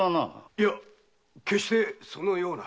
いや決してそのような。